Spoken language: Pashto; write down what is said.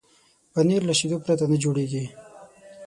پنېر له شيدو پرته نه جوړېږي.